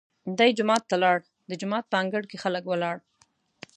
دی جومات ته لاړ، د جومات په انګړ کې خلک ولاړ.